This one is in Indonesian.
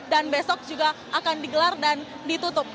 dan besok juga akan digelar dan ditutup